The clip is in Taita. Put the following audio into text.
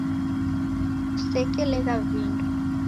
Kusekelegha vindo.